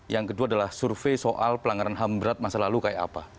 yang kedua adalah survei soal pelanggaran ham berat masa lalu kayak apa